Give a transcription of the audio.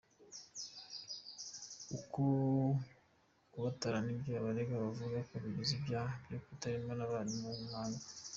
Uku kubatara nibyo abarega bavuga ko bigize ibyaha cyo gutererana abarimu mu kanga.